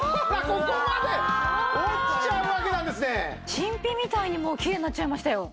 新品みたいにもうきれいになっちゃいましたよ。